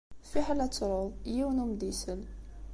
Fiḥel ad truḍ, yiwen ur m-d-isell.